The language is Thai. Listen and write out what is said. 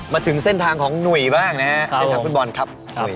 มาถึงเส้นทางของหนุ่ยบ้างนะฮะเส้นทางฟุตบอลครับ